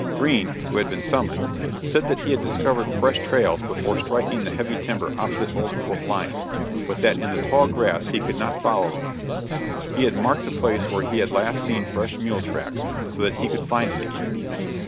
Green, who had been summoned, said that he had discovered fresh trails before striking the heavy timber opposite old Fort Lyon, but that in the tall grass he could not follow them. He had marked the place where he had last seen fresh mule tracks, so that he could find it again.